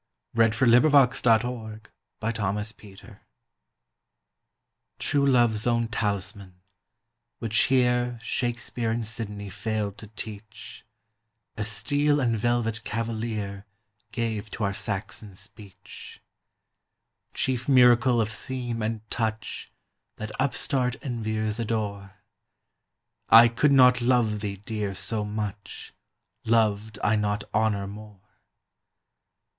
A Foot note to a Famous Lyric TRUE love's own talisman, which here Shakespeare and Sidney failed to teach, A steel and velvet Cavalier Gave to our Saxon speech: Chief miracle of theme and touch That upstart enviers adore: I could not love thee, dear, so much, Loved I not Honour more.